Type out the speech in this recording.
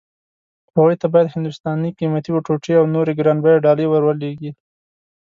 هغوی ته باید هندوستاني قيمتي ټوټې او نورې ګران بيه ډالۍ ور ولېږي.